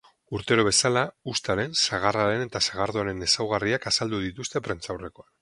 Urtero bezala, uztaren, sagarraren eta sagardoaren ezaugarriak azalduko dituzte prentsaurrekoan.